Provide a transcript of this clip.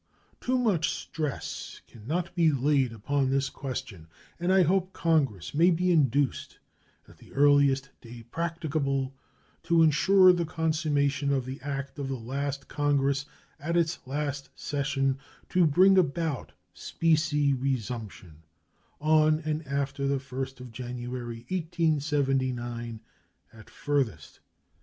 Too much stress can not be laid upon this question, and I hope Congress may be induced, at the earliest day practicable, to insure the consummation of the act of the last Congress, at its last session, to bring about specie resumption "on and after the 1st of January, 1879," at furthest.